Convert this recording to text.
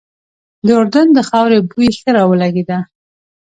د اردن د خاورې بوی ښه را ولګېده.